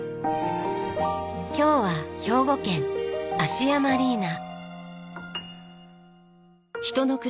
今日は兵庫県芦屋マリーナ。